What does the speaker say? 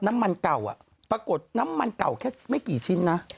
น้ำมันเก่าปรากฏน้ำมันเก่าแค่ไม่กี่ชิ้นนะ